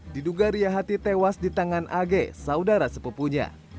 diduga ria hati tewas di tangan ag saudara sepupunya